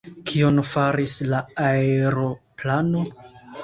Kion faris la aeroplano?